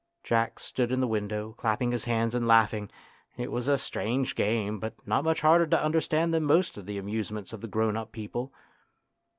Jack stood in the window, clapping his hands and laughing ; it was a strange game, but not much harder to understand than most of the amusements of the grown up people.